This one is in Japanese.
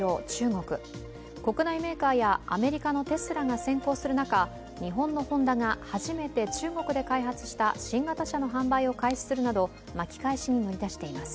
国内メーカーやアメリカのテスラが先行する中日本のホンダが初めて中国で開発した新型車の販売を開始するなど、巻き返しに乗り出しています。